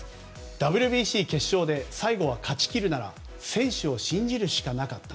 ＷＢＣ決勝で最後は勝ち切るなら選手を信じるしかなかった。